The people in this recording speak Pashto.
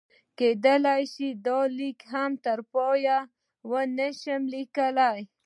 کېدای شي دا لیک هم تر پایه ونه شم لیکلی.